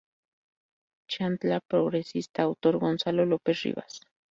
Chiantla Progresista autor Gonzalo López Rivas